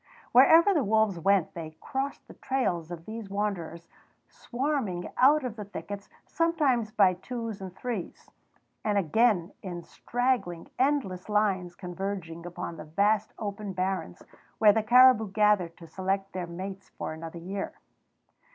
Wherever the wolves went they crossed the trails of these wanderers swarming out of the thickets, sometimes by twos and threes, and again in straggling, endless lines converging upon the vast open barrens where the caribou gathered to select their mates for another year.